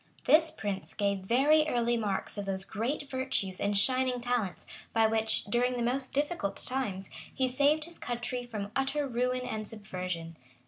This prince gave very early marks of those great virtues and shining talents, by which, during the most difficult times, he saved his country from utter ruin and subversion.